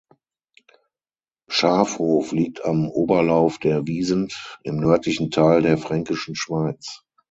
Schafhof liegt am Oberlauf der Wiesent im nördlichen Teil der Fränkischen Schweiz.